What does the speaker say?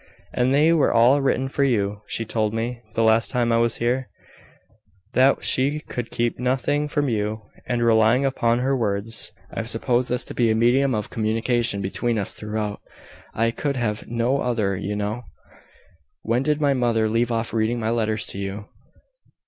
"And they were all written for you! She told me, the last time I was here, that she could keep nothing from you: and, relying upon her words, I have supposed this to be a medium of communication between us throughout. I could have no other, you know. When did my mother leave off reading my letters to you?"